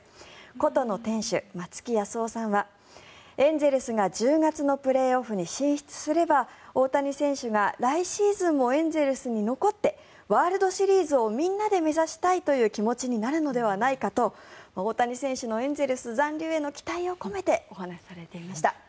古都の店主、松木保雄さんはエンゼルスが１０月のプレーオフに進出すれば大谷選手が来シーズンもエンゼルスに残ってワールドシリーズをみんなで目指したいという気持ちになるのではないかと大谷選手のエンゼルス残留への期待を込めてお話しされていました。